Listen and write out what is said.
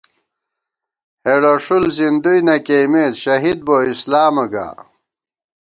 ہېڑہ ݭُل زِندُوئی نہ کېئیمېت، شہید بو اسلامہ گا